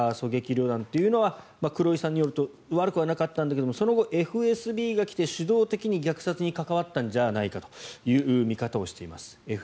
狙撃旅団は黒井さんによると悪くはなかったんだけどその後、ＦＳＢが来て主導的に虐殺に関わったんじゃないかという見方をしています。